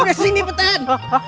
udah sini petan